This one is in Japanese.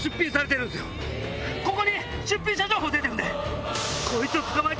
ここに出品者情報出てるんで。